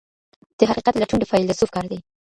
د حقیقت لټون د فیلسوف کار دی.